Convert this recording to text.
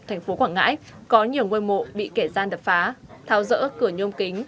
thành phố quảng ngãi có nhiều ngôi mộ bị kẻ gian đập phá tháo rỡ cửa nhôm kính